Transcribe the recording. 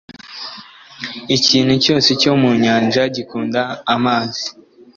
ikintu cyose cyo mu nyanja gikunda amazi.